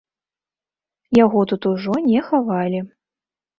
Яго тут ужо не хавалі.